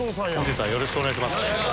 よろしくお願いします。